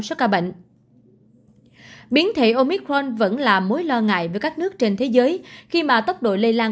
sắc ca bệnh biến thể omicron vẫn là mối lo ngại với các nước trên thế giới khi mà tốc độ lây lan